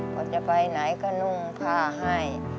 พอจะไปไหนก็นุ่งผ้าให้